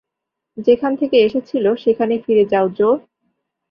যেখান থেকে এসেছিল সেখানে ফিরে যাও, জো।